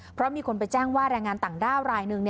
เพราะมีคนไปแจ้งว่าแรงงานต่างด้าวรายหนึ่ง